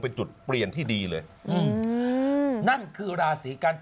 เป็นจุดเปลี่ยนที่ดีเลย